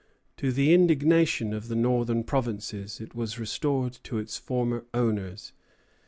To the indignation of the Northern provinces, it was restored to its former owners.